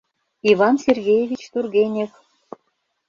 Иван Сергеевич Тургенев